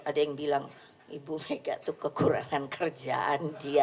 ada yang bilang ibu mereka tuh kekurangan kerjaan dia